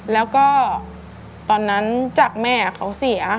แล้วก็ตอนนั้นจากแม่เขาเสีย